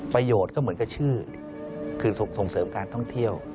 ประโยชน์ก็เหมือนกับชื่อคือส่งเสริมการท่องเที่ยว